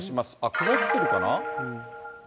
曇ってるかな。